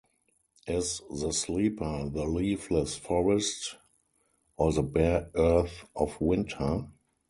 Is the sleeper the leafless forest or the bare earth of winter?